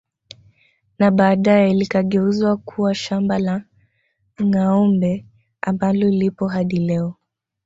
Na baadae likageuzwa kuwa shamba la Ngâombe ambalo lipo hadi leo